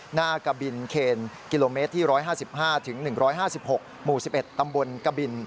หน้ากะบินเคนกิโลเมตรที่๑๕๕๑๕๖หมู่๑๑ตำบลกบิน